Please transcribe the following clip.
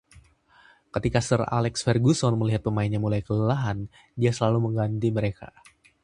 Ketika Sir Alex Ferguson melihat pemainnya mulai kelelahan, dia selalu mengganti mereka.